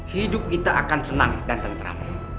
hidup kita akan senang dan tentram